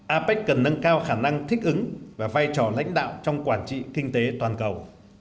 apec cần nâng cao khả năng thích ứng và vai trò lãnh đạo trong quản trị kinh tế toàn cầu